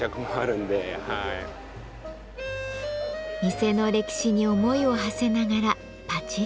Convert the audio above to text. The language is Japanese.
店の歴史に思いをはせながらパチり。